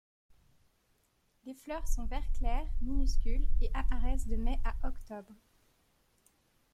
Les fleurs sont vert clair, minuscules et apparaissent de mai à octobre.